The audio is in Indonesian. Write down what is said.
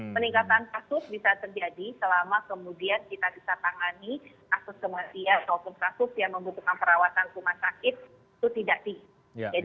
peningkatan kasus bisa terjadi selama kemudian kita bisa tangani kasus kematian ataupun kasus yang membutuhkan perawatan rumah sakit itu tidak tinggi